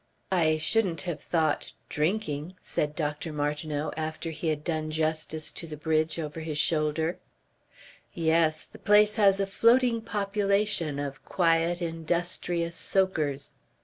"I shouldn't have thought drinking," said Dr. Martineau, after he had done justice to the bridge over his shoulder. "Yes, the place has a floating population of quiet industrious soakers.